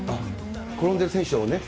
転んでる選手をね。